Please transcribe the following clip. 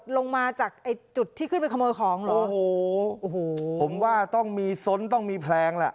ลงมาจากไอ้จุดที่ขึ้นไปขโมยของเหรอโอ้โหผมว่าต้องมีส้นต้องมีแพลงแหละ